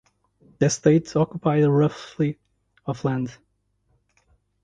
The estate occupied roughly of land.